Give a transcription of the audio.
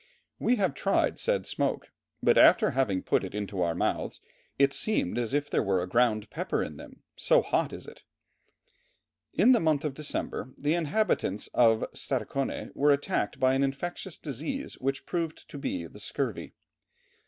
We have tried the said smoke, but after having put it into our mouths, it seemed as if there were ground pepper in them, so hot is it." In the month of December the inhabitants of Stadaconé were attacked by an infectious disease which proved to be the scurvy.